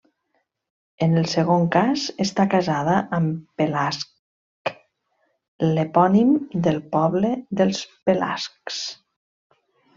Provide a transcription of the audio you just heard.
En el segon cas, està casada amb Pelasg, l'epònim del poble dels pelasgs.